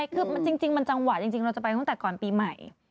คือจริงมันจังหวะจริงเราจะไปตั้งแต่ก่อนปีใหม่